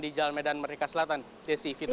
di jalan medan merdeka selatan desi vito